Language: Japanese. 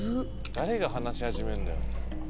誰が話し始めんだろ。